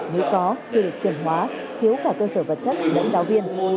nếu có chưa được truyền hóa thiếu cả cơ sở vật chất đánh giáo viên